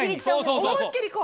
思いっ切り行こう。